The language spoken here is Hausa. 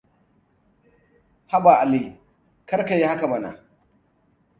Haba Ali, kar ka yi haka mana.